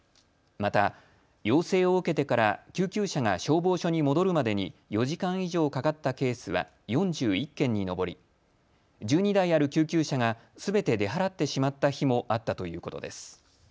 また、要請を受けてから救急車が消防署に戻るまでに４時間以上かかったケースは４１件に上り、１２台ある救急車がすべて出払ってしまった日もあったということです。